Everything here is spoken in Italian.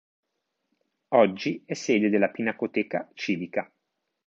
Oggi è sede della Pinacoteca civica.